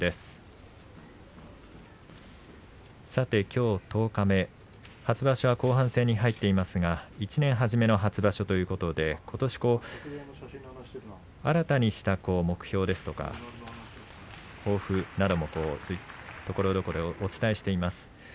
さてきょう十日目初場所は後半戦に入っていますが１年はじめの初場所ということでことし新たにした目標ですとか抱負などもところどころお伝えしています。